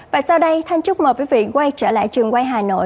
và sau đây thanh chúc mời quý vị quay trở lại trường quay hà nội